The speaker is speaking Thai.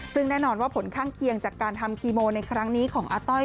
ซึ่งแน่นอนว่าผลข้างเคียงจากการทำคีโมในครั้งนี้ของอาต้อย